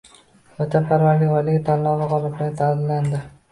“Vatanparvarlik oyligi” tanlovi g‘oliblari taqdirlandi